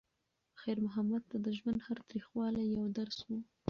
خیر محمد ته د ژوند هر تریخوالی یو درس و.